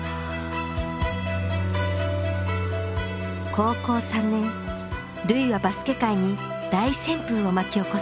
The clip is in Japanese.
高校３年瑠唯はバスケ界に大旋風を巻き起こす。